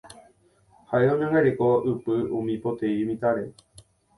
ha'e oñangareko ypy umi poteĩ mitãre